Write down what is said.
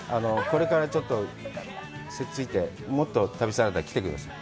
これからちょっとせっついて、もっと旅サラダ来てください。